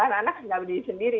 anak anak tidak berdiri sendiri